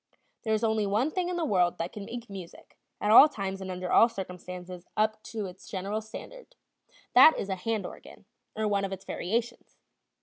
There is only one thing in the world that can make music, at all times and under all circumstances, up to its general standard; that is a hand organ, or one of its variations.